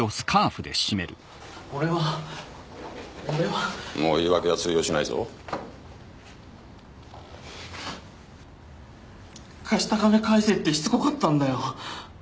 俺は俺はもう言い訳は通用しないぞ「貸した金返せ」ってしつこかったんだよ